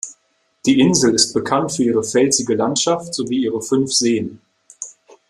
Die Insel ist bekannt für ihre felsige Landschaft sowie ihre fünf Seen.